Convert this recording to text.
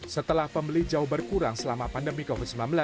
setelah pembeli jauh berkurang selama pandemi covid sembilan belas